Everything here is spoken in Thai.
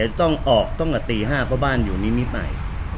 แล้วต้องออกต้องกะตีห้าเพราะบ้านอยู่นิดนิบใหม่